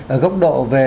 ở góc độ về